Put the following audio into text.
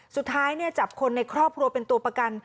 สุดท้ายจับคนในครอบครัวเป็นตัวประกัน